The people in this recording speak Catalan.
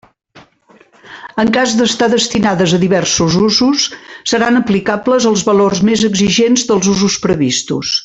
En cas d'estar destinades a diversos usos, seran aplicables els valors més exigents dels usos previstos.